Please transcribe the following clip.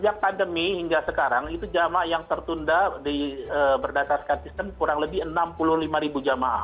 akademi hingga sekarang itu jemaah yang tertunda di eee berdasarkan skansisten kurang lebih enam puluh lima ribu jemaah